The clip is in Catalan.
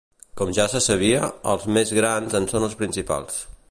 Com ja se sabia, els més grans en són els principals.